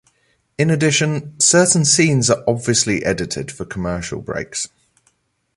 In addition, certain scenes are obviously edited for commercial breaks.